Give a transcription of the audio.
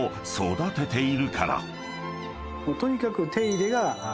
とにかく。